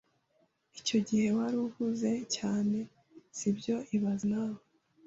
Icyo gihe wari uhuze cyane, si byo ibaze nawe